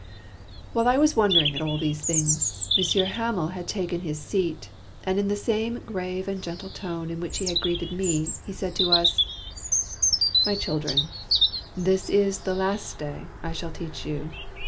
While I was wondering at all these things. Mon sieur Hamel had taken his seat, and in the same ^_^ rave and gentle tone in which he had greeted me, he said to us, —" My children, this is the last day I shall teach you.